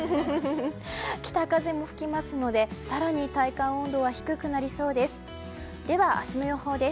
北風も吹きますので更に体感温度が低くなりそうです。